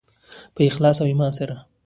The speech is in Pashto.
په اخلاص او ایمان سره.